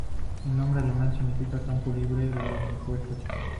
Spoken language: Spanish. El nombre alemán significa "campo libre de impuestos".